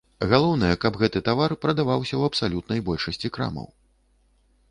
Галоўнае, каб гэты тавар прадаваўся ў абсалютнай большасці крамаў.